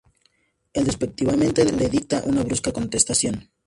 Él despectivamente le dicta una brusca contestación.